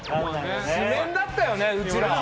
誌面だったよねうちら！